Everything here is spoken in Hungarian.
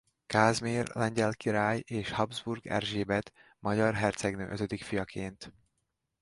Kázmér lengyel király és Habsburg Erzsébet magyar hercegnő ötödik fiaként.